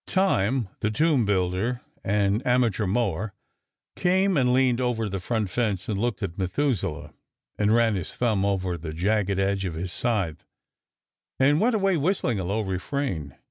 Time, the tomb builder and amateur mower, came and leaned over the front fence and looked at Methuselah, and ran his thumb over the jagged edge of his scythe, and went away whistling a low refrain.